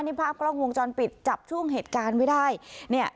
นี่ภาพกล้องวงจรปิดจับช่วงเหตุการณ์ไว้ได้เนี่ย